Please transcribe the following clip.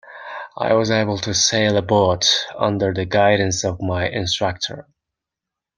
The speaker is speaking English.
I was able to sail a boat, under the guidance of my instructor.